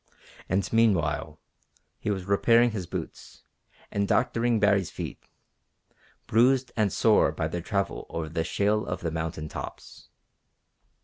And, meanwhile, he was repairing his boots, and doctoring Baree's feet, bruised and sore by their travel over the shale of the mountain tops.